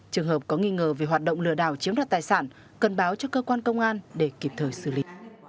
trường hợp có nghi ngờ về hoạt động lừa đảo chiếm đoạt tài sản cần báo cho cơ quan công an để kịp thời xử lý